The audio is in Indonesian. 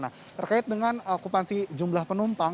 nah terkait dengan okupansi jumlah penumpang